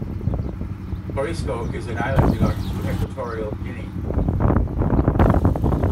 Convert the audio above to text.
Corisco is an island belonging to Equatorial Guinea.